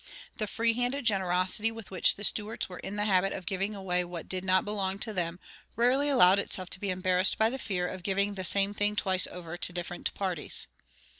The free handed generosity with which the Stuarts were in the habit of giving away what did not belong to them rarely allowed itself to be embarrassed by the fear of giving the same thing twice over to different parties.